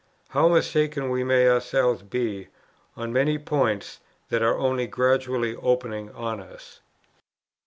How mistaken we may ourselves be, on many points that are only gradually opening on us!"